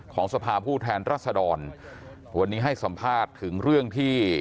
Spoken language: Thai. สภาพผู้แทนรัศดรวันนี้ให้สัมภาษณ์ถึงเรื่องที่